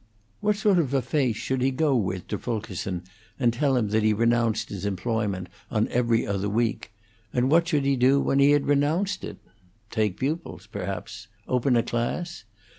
What sort of face should he go with to Fulkerson and tell him that he renounced his employment on 'Every Other Week;' and what should he do when he had renounced it? Take pupils, perhaps; open a class?